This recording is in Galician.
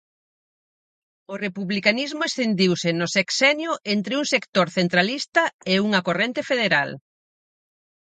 O republicanismo escindiuse no Sexenio entre un sector centralista e unha corrente federal.